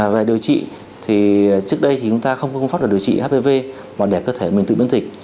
về điều trị thì trước đây chúng ta không có pháp để điều trị hpv hoặc để cơ thể mình tự biến dịch